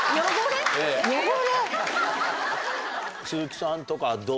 鈴木さんとかどう？